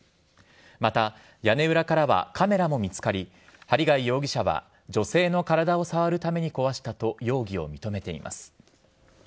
また屋根裏からはカメラも見つかり針谷容疑者は女性の体を触るために壊したと容疑を認めています。